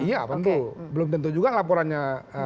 iya tentu belum tentu juga laporannya